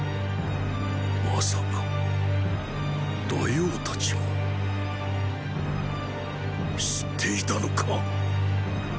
まさか大王たちも知っていたのか。！！